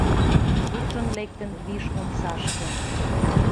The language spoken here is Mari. Куржын лектын виш омсашке.